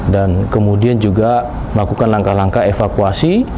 dan kemudian juga melakukan langkah langkah evakuasi